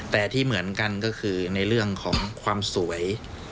แต่ที่เหมือนกันก็คือในเรื่องของความสวย